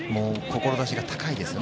志が高いですよね。